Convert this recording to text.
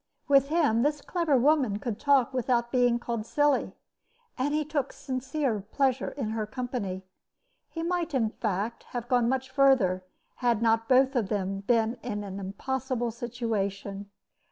With him this clever woman could talk without being called silly, and he took sincere pleasure in her company. He might, in fact, have gone much further, had not both of them been in an impossible situation.